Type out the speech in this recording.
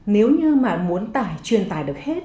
nếu như muốn truyền tải được hết